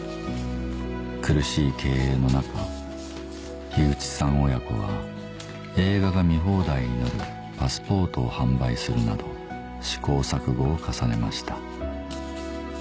苦しい経営の中口さん親子は映画が見放題になるパスポートを販売するなど試行錯誤を重ねました